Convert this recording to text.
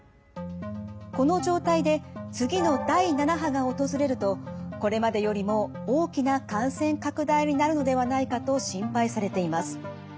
この状態で次の第７波が訪れるとこれまでよりも大きな感染拡大になるのではないかと心配されています。